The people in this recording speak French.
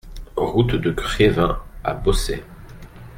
Route de Crevin à Bossey